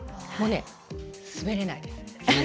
もう滑れないです。